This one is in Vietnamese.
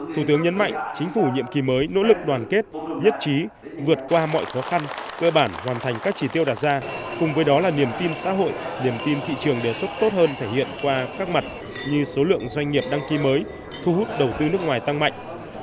thủ tướng nhấn mạnh chính phủ nhiệm kỳ mới nỗ lực đoàn kết nhất trí vượt qua mọi khó khăn cơ bản hoàn thành các chỉ tiêu đạt ra cùng với đó là niềm tin xã hội niềm tin thị trường đề xuất tốt hơn thể hiện qua các mặt như số lượng doanh nghiệp đăng ký mới thu hút đầu tư nước ngoài tăng mạnh